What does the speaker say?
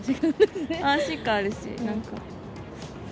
安心感あるし、なんか。